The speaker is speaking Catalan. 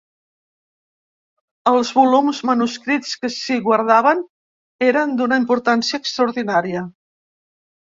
Els volums manuscrits que s’hi guardaven eren d’una importància extraordinària.